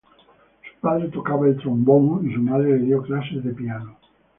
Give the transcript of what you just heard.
Su padre tocaba el trombón y su madre le dio clases de piano.